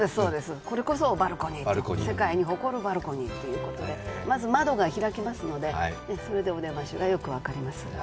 これこそバルコニー世界に誇るバルコニーということでまず窓が開きますのでそれでお出ましがよく分かります。